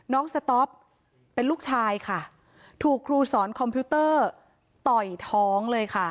สต๊อปเป็นลูกชายค่ะถูกครูสอนคอมพิวเตอร์ต่อยท้องเลยค่ะ